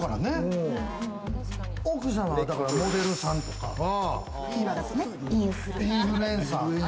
奥さんがモデルさんとか、インフルエンサー。